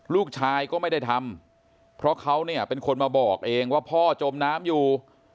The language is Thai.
ลูกชายก็ไม่ได้ทำเพราะเขาเนี่ยเป็นคนมาบอกเองว่าพ่อจมน้ำอยู่